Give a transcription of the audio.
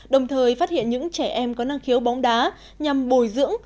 đồng thời phát hiện những trẻ em có năng khiếu bóng đá nhằm bồi dưỡng